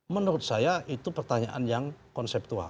menurut saya itu pertanyaan yang konseptual